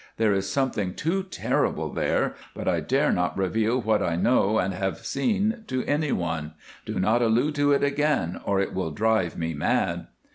There is something too terrible there, but I dare not reveal what I know and have seen to anyone. Do not allude to it again or it will drive me mad."